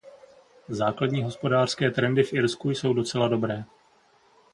Základní hospodářské trendy v Irsku jsou docela dobré.